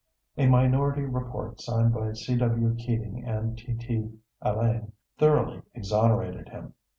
A minority report signed by C. W. Keeting and T. T. Allain thoroughly exonerated him.